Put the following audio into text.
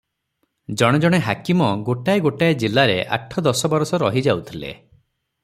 ଜଣେ ଜଣେ ହାକିମ ଗୋଟାଏ ଗୋଟାଏ ଜିଲ୍ଲାରେ ଆଠ ଦଶ ବରଷ ରହି ଯାଉଥିଲେ ।